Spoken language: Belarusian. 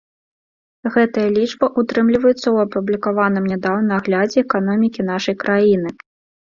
Гэтая лічба ўтрымліваецца ў апублікаваным нядаўна аглядзе эканомікі нашай краіны.